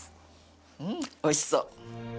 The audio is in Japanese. うんおいしそう！